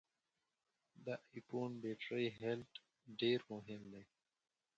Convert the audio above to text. د ای فون بټري هلټ ډېر مهم دی.